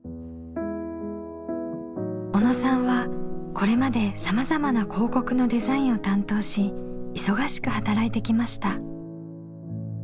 小野さんはこれまでさまざまな広告のデザインを担当し忙しく働いてきました。